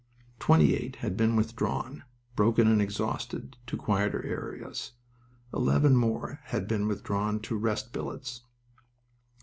Twenty eight had been withdrawn, broken and exhausted, to quieter areas. Eleven more had been withdrawn to rest billets.